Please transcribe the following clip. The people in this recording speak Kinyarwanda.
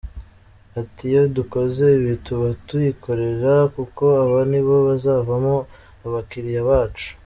Ati “Iyo dukoze ibi tuba twikorera, kuko aba nibo bazavamo abakiriya bacu.